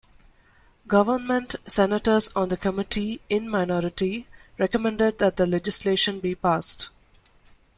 Government senators on the Committee, in minority, recommended that the legislation be passed.